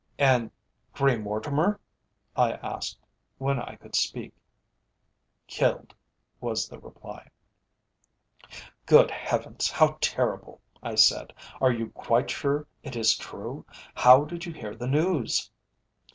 "And Grey Mortimer?" I asked, when I could speak. "Killed," was the reply. "Good Heavens! how terrible!" I said. "Are you quite sure it is true? How did you hear the news?"